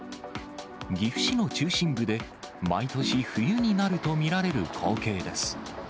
岐阜市の中心部で、毎年冬になると見られる光景です。